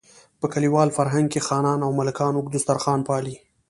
په کلیوال فرهنګ کې خانان او ملکان اوږد دسترخوان پالي.